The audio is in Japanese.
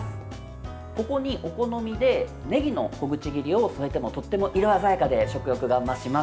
ここに、お好みでねぎの小口切りを添えてもとっても色鮮やかで食欲が増します。